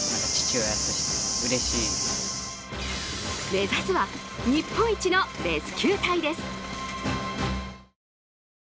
目指すは日本一のレスキュー隊です。